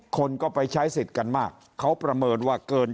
คนก็ไปใช้สิทธิ์กันมากเขาประเมินว่าเกิน